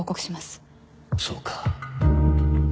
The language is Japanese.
そうか